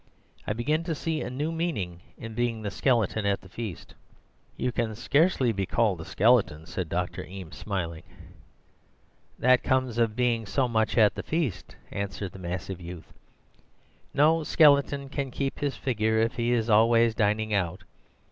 I begin to see a new meaning in being the skeleton at the feast.' "'You can scarcely be called a skeleton,' said Dr. Eames, smiling. "'That comes of being so much at the feast,' answered the massive youth. 'No skeleton can keep his figure if he is always dining out.